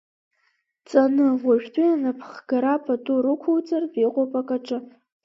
Ҵаны, уажәтәи анапхгара пату рықәуҵартә иҟоуп акаҿы.